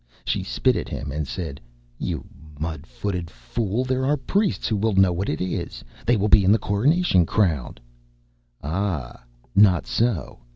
She spit at him and said, "You mud footed fool! There are priests who will know what it is! They will be in the coronation crowd." "Ah, not so!